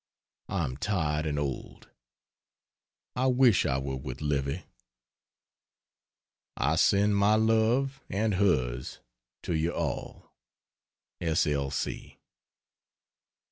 I am tired and old; I wish I were with Livy. I send my love and hers to you all. S. L.